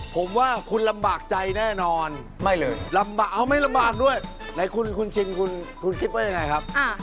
ผมว่าคุณลำบากใจแน่นอนลำบากไม่ลำบากด้วยคุณชิงคุณคิดว่าอย่างไรครับ